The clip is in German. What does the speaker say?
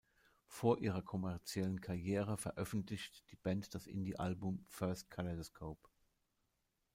Vor ihrer kommerziellen Karriere veröffentlicht die Band das Indie-Album "first kaleidoscope".